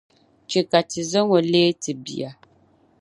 Chɛ ka ti zaŋ o n-leei ti bia.